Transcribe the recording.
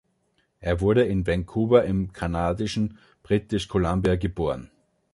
Er wurde in Vancouver im kanadischen British Columbia geboren.